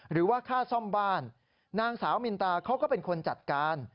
หรือว่าค่าซ่อมบ้านนางสาวมินตาเขาก็เป็นคนจัดการ